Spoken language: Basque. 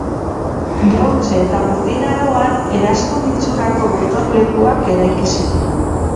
Brontze eta Burdin Aroan eraztun itxurako gotorlekuak eraiki ziren.